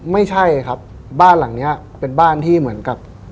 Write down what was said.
ไม่ใช่ครับบ้านหลังนี้เป็นบ้านที่เหมือนกับ